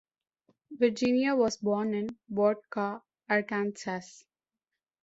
Virginia was born in Bodcaw, Arkansas.